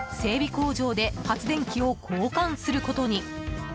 工場で発電機を交換することに。